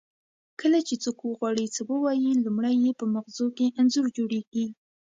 کله چې څوک غواړي څه ووایي لومړی یې په مغزو کې انځور جوړیږي